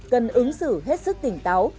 cần ứng xử hết sức tỉnh táo